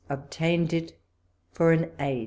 Obtained It for an age!